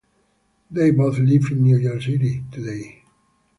They both live in New York City today.